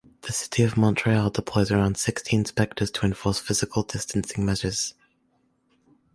The City of Montreal deploys around sixty inspectors to enforce physical distancing measures.